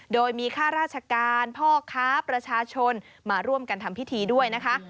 โดยมีข้าราชการพ่อค้าประชาชนมาร่วมกันทำพิธีด้วยนะคะ